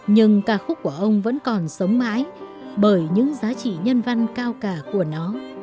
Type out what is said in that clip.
nhưng ca khúc của ông vẫn còn sống mãi bởi những giá trị nhân văn cao cả của nó